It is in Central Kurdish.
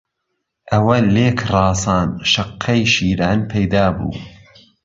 ئهوه لێک ڕاسان شهققەی شیران پهیدابو